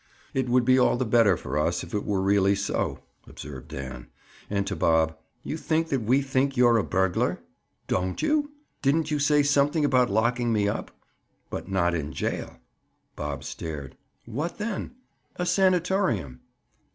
"Would be all the better for us, if it were really so," observed Dan. And to Bob: "You think that we think you're a burglar?" "Don't you? Didn't you say something about locking me up?" "But not in a jail." Bob stared. "What then?" "A sanatorium."